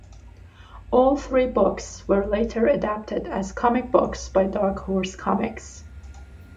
All three books were later adapted as comic books by Dark Horse Comics.